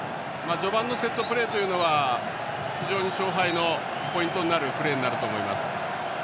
序盤のセットプレーというのは非常に勝敗のポイントになるプレーだと思います。